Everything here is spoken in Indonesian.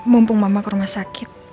mumpung mama ke rumah sakit